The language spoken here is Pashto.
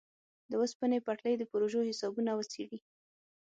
د اوسپنې پټلۍ د پروژو حسابونه وڅېړي.